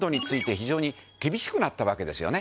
非常に厳しくなったわけですよね。